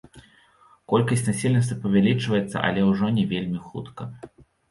Колькасць насельніцтва павялічваецца, але ўжо не вельмі хутка.